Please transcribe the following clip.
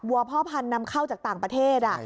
พ่อพันธุ์นำเข้าจากต่างประเทศ